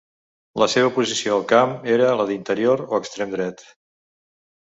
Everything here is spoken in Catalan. La seva posició al camp era la d'interior o extrem dret.